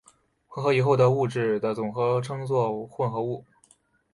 混合以后的物质的总体称作混合物。